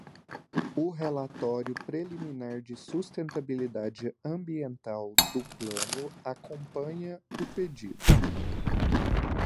O relatório preliminar de sustentabilidade ambiental do plano acompanha o pedido.